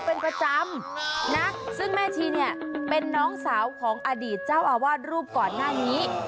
เป็นประจำนะซึ่งแม่ชีเนี่ยเป็นน้องสาวของอดีตเจ้าอาวาสรูปก่อนหน้านี้